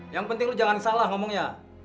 yang penting lu jangan salah ngomongnya